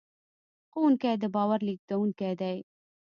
ښوونکي د باور لېږدونکي دي.